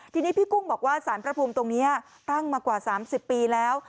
ทีนี้พี่กุ้งบอกว่าสารพระภูมิตรงนี้ตั้งมากว่า๓๐ปีแล้ว